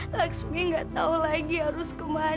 laksmi gak tau lagi harus kemana